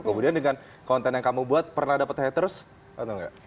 kemudian dengan konten yang kamu buat pernah dapat haters atau enggak